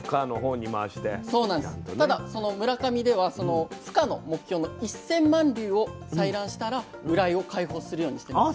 ただ村上ではそのふ化の目標の１，０００万粒を採卵したらウライを開放するようにしてます。